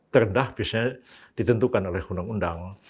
terendah biasanya ditentukan oleh undang undang